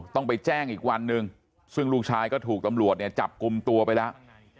ต้องไปแจ้งอีกวันหนึ่งซึ่งลูกชายก็ถูกตำรวจเนี่ยจับกลุ่มตัวไปแล้ว